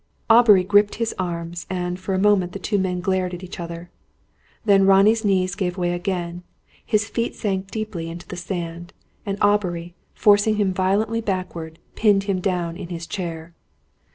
Aubrey gripped his arms, and for a moment the two men glared at one another. Then Ronnie's knees gave way again; his feet sank deeply into the sand; and Aubrey, forcing him violently backward, pinned him down in his chair.